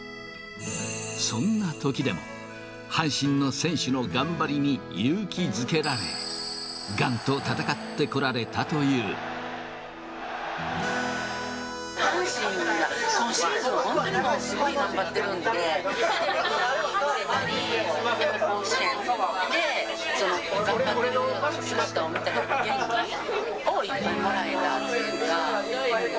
そんなときでも、阪神の選手の頑張りに勇気づけられ、がんと闘っ阪神は今シーズン、本当にもうすごい頑張ってるんで、甲子園で頑張ってる姿を見て、元気をいっぱいもらえたっていうか。